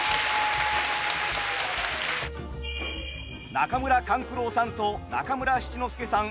中村勘九郎さんと中村七之助さん